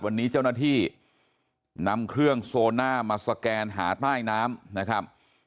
วันนี้เจ้าหน้าที่นำเครื่องโซน่ามาสแกนหาใต้น้ำนะครับ